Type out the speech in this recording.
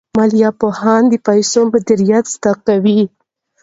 مالي پوهان د پیسو مدیریت زده کوي.